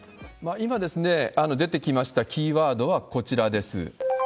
今、出てきましたキーワードはこちらです。